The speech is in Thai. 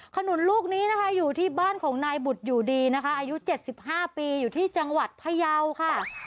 ขนุนลูกนี้นะคะอยู่ที่บ้านของนายบุตรอยู่ดีนะคะอายุ๗๕ปีอยู่ที่จังหวัดพยาวค่ะ